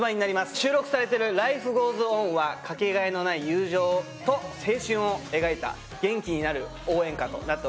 収録されてる『Ｌｉｆｅｇｏｅｓｏｎ』はかけがえのない友情と青春を描いた元気になる応援歌となっております。